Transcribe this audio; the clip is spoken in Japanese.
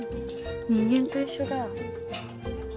人間と一緒だ。